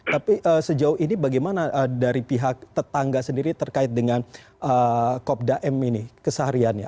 tapi sejauh ini bagaimana dari pihak tetangga sendiri terkait dengan kopda m ini kesehariannya